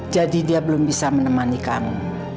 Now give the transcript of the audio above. jadi dia belum bisa menemani kamu